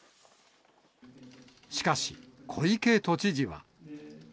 しかし、小池都知事は。